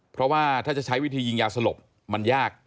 เพราะว่าถ้าจะใช้วิธียิงยาสลบมันยาก